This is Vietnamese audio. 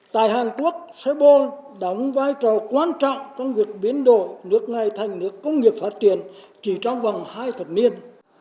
tại hàn quốc serbo đóng vai trò quan trọng trong việc biến đổi nước này thành nước công nghiệp phát triển chỉ trong vòng hai thập niên